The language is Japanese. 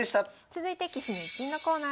続いて「棋士の逸品」のコーナーです。